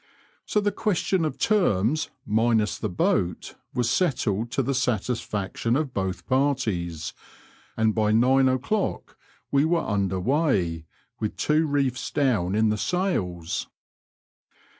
So the question of terms, '* minus the boat," was settled to the satisfaction of both parties, and by nine o'clock we were under weigh, with two reefs down in the sails.